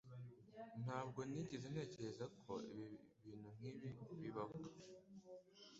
Ntabwo nigeze ntekereza ko ibintu nkibi bibaho